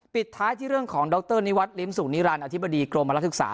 ปิดท้ายที่เรื่องของดรนิวัตรลิ้มสุขนิรันดิอธิบดีกรมรักษา